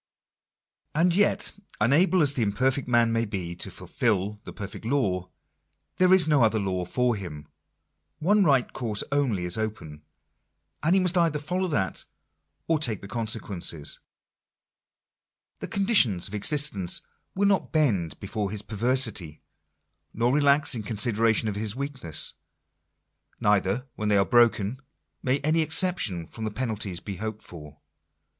And yet, unable as the imperfect man may be to fulfil the perfect law, there is no other law for him. One right course only is open ; and he must either follow that or take the con sequences. The conditions of existence will not bend before his perversity; nor relax in consideration of his weakness. Neither, when they are broken, may any exception from penalties be hoped for.